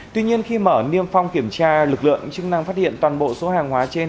tuy nhiên khi mở niêm phong kiểm tra lực lượng chức năng phát hiện toàn bộ số hàng hóa trên